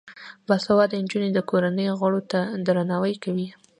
باسواده نجونې د کورنۍ غړو ته درناوی کوي.